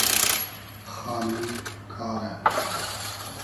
خانی کارۂ